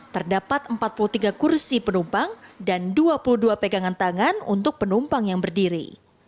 terdapat empat puluh tiga kursi penumpang dan dua puluh dua pegangan tangan untuk penumpang yang berdiri